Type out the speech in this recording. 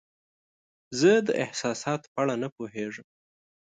زه د احساساتو په اړه نه پوهیږم.